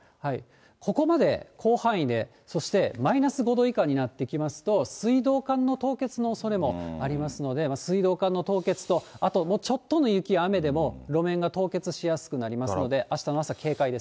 ここまで広範囲で、そしてマイナス５度以下になってきますと、水道管の凍結のおそれもありますので、水道管の凍結と、あと、ちょっとの雪、雨でも、路面が凍結しやすくなりますので、あしたの朝警戒です。